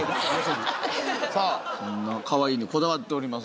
さあそんなカワイイにこだわっております